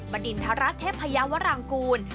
บรรดินทรัศน์เทพยาวรังกูล